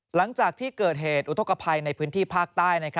หลังจากที่เกิดเหตุอุทธกภัยในพื้นที่ภาคใต้